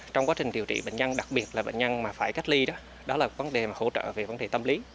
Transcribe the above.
trong quá trình điều trị bệnh nhân đặc biệt là bệnh nhân mà phải cách ly đó đó là vấn đề mà hỗ trợ về vấn đề tâm lý